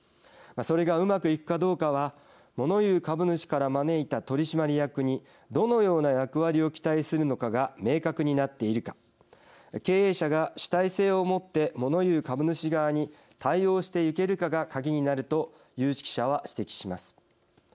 それが、うまくいくかどうかはもの言う株主から招いた取締役にどのような役割を期待するのかが明確になっているか経営者が主体性をもってもの言う株主側に対応していけるかが鍵になると有識者は指摘します。